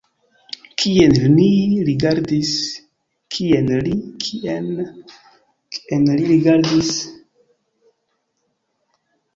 Kien li rigardis?